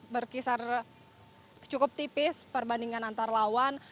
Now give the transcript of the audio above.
berkisar cukup tipis perbandingan antar lawan